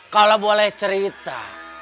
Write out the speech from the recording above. kalo boleh cerita